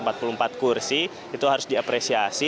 menambah enam satu ratus empat puluh empat kursi itu harus diapresiasi